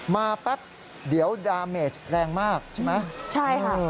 มาแป๊บเดี๋ยวดาเมจแรงมากใช่ไหม